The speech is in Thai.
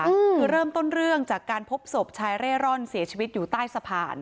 คือเริ่มต้นเรื่องจากการพบศพชายเร่ร่อนเสียชีวิตอยู่ใต้สะพาน